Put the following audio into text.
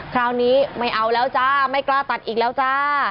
คราวนี้ไม่เอาแล้วจ้าไม่กล้าตัดอีกแล้วจ้า